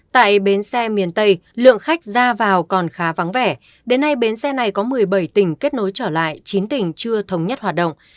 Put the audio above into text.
tại bến xe miền tây lượng khách ra vào còn khá vắng vẻ đến nay bến xe này có một mươi bảy tỉnh kết nối trở lại chín tỉnh chưa thống nhất hoạt động